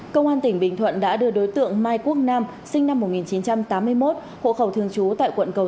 công an tỉnh bình thuận đã đưa đối tượng mai quốc nam sinh năm một nghìn chín trăm tám mươi một hộ khẩu thường trú tại quận cầu